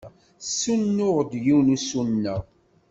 Tessunuɣ-d yiwen usuneɣ.